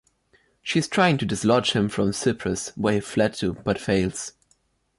She is trying to dislodge him from Cyprus, where he fled to, but fails.